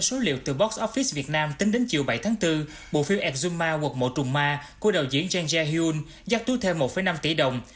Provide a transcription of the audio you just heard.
theo số liệu từ box office việt nam tính đến chiều bảy tháng bốn bộ phim exuma cuộc mộ trung ma của đạo diễn jang jae hyun giác túi thêm một năm tỷ đồng